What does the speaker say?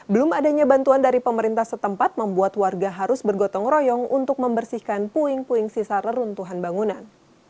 belum adanya bantuan dari pemerintah setempat membuat warga harus bergotong royong untuk membersihkan puing puing sisa reruntuhan bangunan